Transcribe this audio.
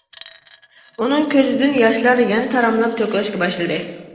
ئۇنىڭ كۆزىدىن ياشلار يەنە تاراملاپ تۆكۈلۈشكە باشلىدى.